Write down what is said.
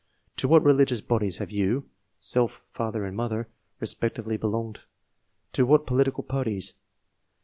To wliat religious bodies have you (self, father and mother) respectively belonged ? To what political parties